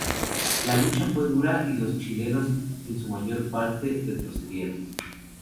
La lucha fue dura y los chilenos en su mayor parte retrocedieron.